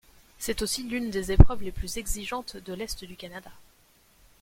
C'est aussi l'une des épreuves les plus exigeantes de l’est du Canada.